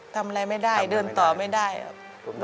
ทำอะไรไม่ได้เดินต่อไม่ได้ครับ